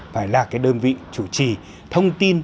phải là cái đơn vị chủ trì thông tin